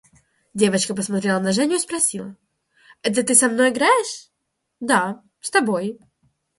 Девочка посмотрела на Женю и спросила: – Это ты со мной играешь? – Да, с тобой.